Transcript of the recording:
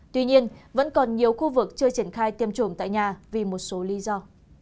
tuy nhiên vẫn còn nhiều khu vực chưa triển khai tiêm chủng tại nhà vì một số lý do